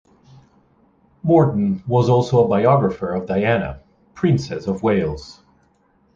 Morton was also a biographer of Diana, Princess of Wales.